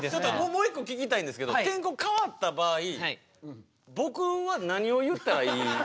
もう一個聞きたいんですけど天候かわった場合僕は何を言ったらいい？